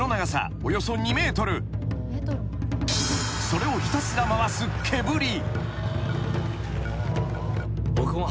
［それをひたすら回す毛振り］